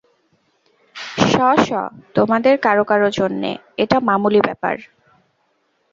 শ-শ তোমাদের কারো কারো জন্যে, এটা মামুলি ব্যাপার।